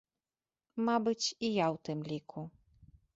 Мабыць, і я ў тым ліку.